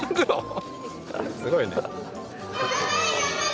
すごいね。